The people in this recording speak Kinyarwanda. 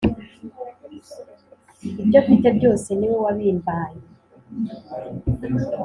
Ibyomfite byose niwe wabimbaye